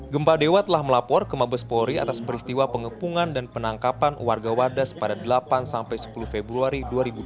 gempa dewa telah melapor ke mabes polri atas peristiwa pengepungan dan penangkapan warga wadas pada delapan sepuluh februari dua ribu dua puluh